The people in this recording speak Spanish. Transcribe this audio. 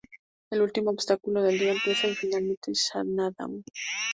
El último obstáculo del día empieza, y finalmente Xanadu.